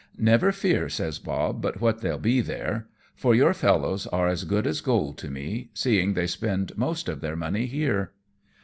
" Never fear," says Bob, " but what they'll be there, for your fellows are as good as gold to me, seeing they spend most of their money here."